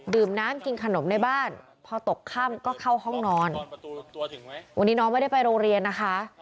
ดื่มน้ำกินขนมในบ้านพอตกค่ำก็เข้าห้องนอนวันนี้น้องไม่ได้ไปโรงเรียนนะคะ